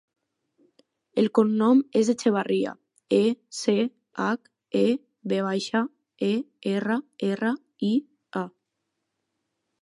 El cognom és Echeverria: e, ce, hac, e, ve baixa, e, erra, erra, i, a.